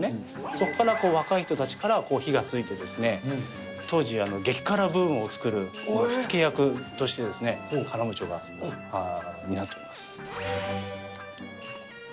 そこから若い人たちから火がついてですね、当時、激辛ブームを作る火付け役として、カラムーチョが担っています。